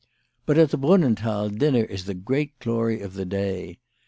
But, at the Brunnenthal, dinner is the great glory of the day.